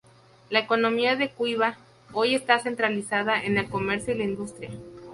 La economía de Cuiabá, hoy, está centralizada en el comercio y la industria.